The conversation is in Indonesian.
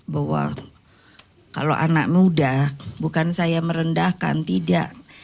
bahwa kalau anak muda bukan saya merendahkan tidak